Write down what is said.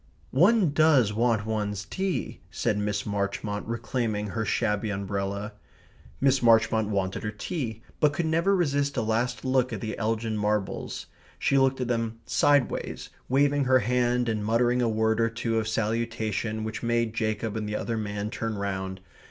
"One does want one's tea," said Miss Marchmont, reclaiming her shabby umbrella. Miss Marchmont wanted her tea, but could never resist a last look at the Elgin Marbles. She looked at them sideways, waving her hand and muttering a word or two of salutation which made Jacob and the other man turn round.